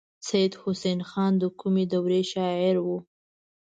سید حسن خان د کومې دورې شاعر و.